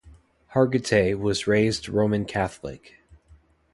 Hargitay was raised Roman Catholic.